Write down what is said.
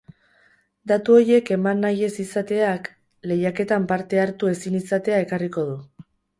Datu horiek eman nahi ez izateak lehiaketan parte hartu ezin izatea ekarriko du.